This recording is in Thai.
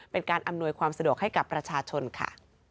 เป็นการอำนวยความสะดวกให้กับประชาชนค่ะ